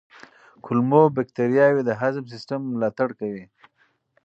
کولمو بکتریاوې د هضم سیستم ملاتړ کوي.